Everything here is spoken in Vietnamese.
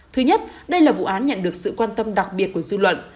thứ nhất đây là vụ án nhận được sự quan tâm đặc biệt của dư luận